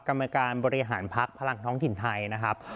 กรรมการบริหารพักพลังท้องถิ่นไทยนะครับ